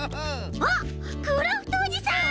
あっクラフトおじさん！